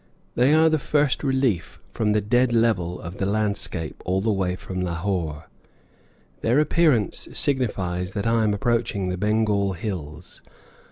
They are the first relief from the dead level of the landscape all the way from Lahore; their appearance signifies that I am approaching the Bengal Hills.